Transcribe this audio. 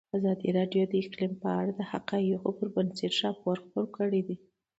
ازادي راډیو د اقلیم په اړه د حقایقو پر بنسټ راپور خپور کړی.